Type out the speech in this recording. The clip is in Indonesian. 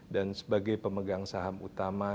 dan sebagai pemegang saham utama